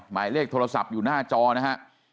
หมายเลขโทรศัพท์อยู่หน้าจอนะฮะ